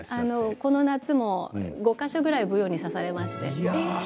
この夏も５か所ぐらいブヨに刺されました。